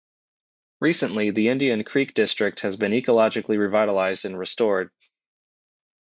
Recently, the Indian Creek district has been ecologically revitalized and restored.